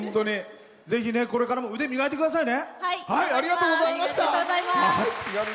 これからも腕磨いてくださいね。